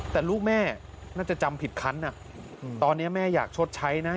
แต่ลูกแม่น่าจะจำผิดคันนะตอนนี้แม่อยากชดใช้นะ